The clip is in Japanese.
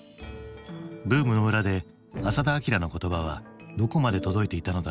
ブームの裏で浅田彰の言葉はどこまで届いていたのだろうか。